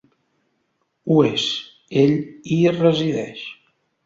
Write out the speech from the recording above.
Ho és, ell hi resideix.